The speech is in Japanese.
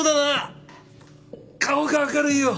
顔が明るいよ。